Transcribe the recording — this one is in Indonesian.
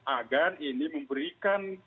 agar ini memberikan